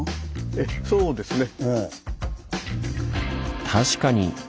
ええそうですね。